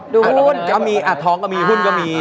ดูหุ้นก็มีอัดท้องก็มีหุ้นก็มี